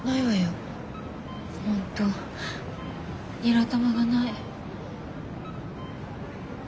本当ニラ玉がない。